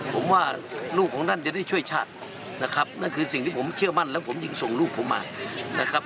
ผมว่าลูกของท่านจะได้ช่วยชาตินะครับนั่นคือสิ่งที่ผมเชื่อมั่นแล้วผมยิ่งส่งลูกผมมานะครับ